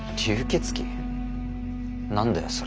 何だよそれ。